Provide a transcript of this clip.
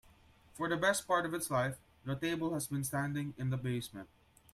For the best part of its life, the table has been standing in the basement.